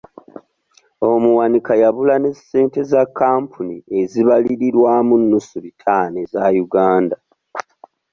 Omuwanika yabula ne ssente za kampuni ezibalirirwamu nnusu bitaano eza Uganda.